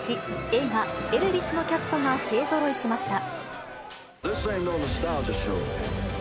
映画、エルヴィスのキャストが勢ぞろいしました。